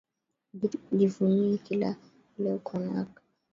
Jivunie kile uko nakyo